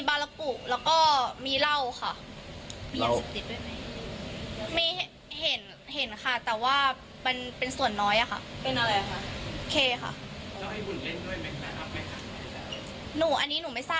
ไม่เจอค่ะไม่เคยเจอกันก่อน